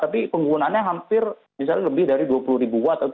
tapi penggunaannya hampir misalnya lebih dari dua puluh ribu watt